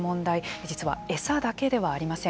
実は、エサだけではありません。